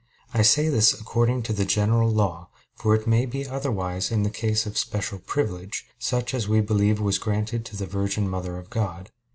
I say this according to the general law; for it may be otherwise in the case of special privilege, such as we believe was granted to the Virgin Mother of God.